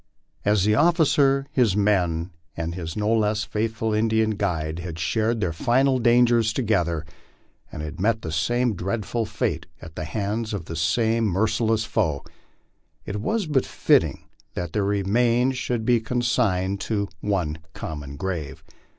As the officer, his men, and his no less faithful Indian guide, had shared their final dangers together and had met the same dreadful fate at the hands of the same merciless foe, it was but fitting that their remains should be con 73 MY LIFE ON THE PLAINS. signed to one common grave.